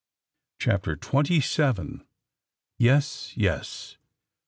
CHAPTER TWENTY SEVEN. YES YES!